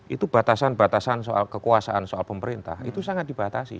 itu batasan batasan soal kekuasaan soal pemerintah itu sangat dibatasi